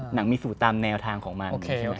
หนังมีสูตรตามแนวทางของมัน